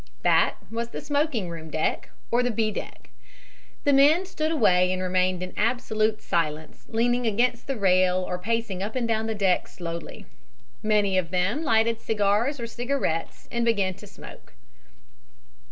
That was the smoking room deck, or the B deck. The men stood away and remained in absolute silence, leaning against the rail or pacing up and down the deck slowly. Many of them lighted cigars or cigarettes and began to smoke.